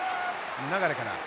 流から。